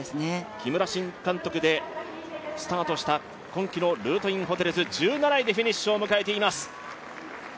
木村新監督でスタートした今季のルートインホテルズ、１７位でフィニッシュを迎えています。